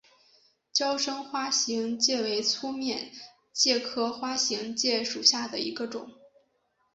娇生花形介为粗面介科花形介属下的一个种。